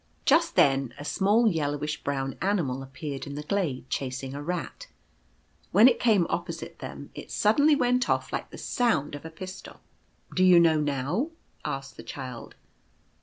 Just then a small yellowish brown animal appeared in the glade chasing a rat. When it came opposite them it suddenly went off like the sound of a pistol. The Cow. 177 "Do you know now?" asked the Child.